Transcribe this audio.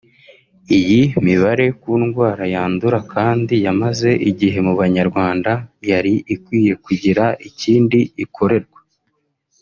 Iyi mibare ku ndwara yandura kandi yamaze igihe mu Banyarwanda yari ikwiye kugira ikindi ikorerwa